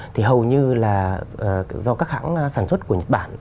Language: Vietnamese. thì hầu như là do các hãng sản xuất của nhật bản